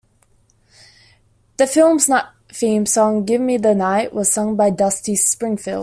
The film's theme song, "Give Me the Night", was sung by Dusty Springfield.